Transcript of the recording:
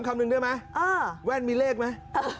เชื่อมั้ยแว่นมีเลขมั้ย